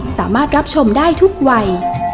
สามารถรับชมได้ทุกวัย